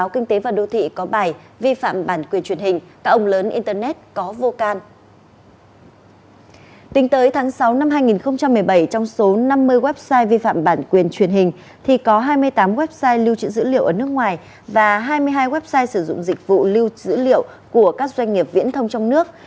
tính tới tháng sáu năm hai nghìn một mươi bảy trong số năm mươi website vi phạm bản quyền truyền hình thì có hai mươi tám website lưu trữ dữ liệu ở nước ngoài và hai mươi hai website sử dụng dịch vụ lưu dữ liệu của các doanh nghiệp viễn thông trong nước